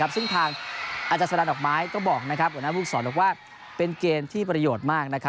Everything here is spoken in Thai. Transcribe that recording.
ซึ่งทางอาจารย์สะดานดอกไม้ก็บอกว่าเป็นเกมที่ประโยชน์มาก